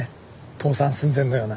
倒産寸前のような。